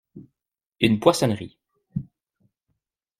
Une poissonnerie.